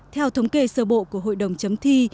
theo thống kê sơ bộ của hội đồng chấm thi